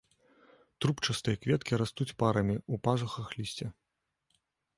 Трубчастыя кветкі растуць парамі ў пазухах лісця.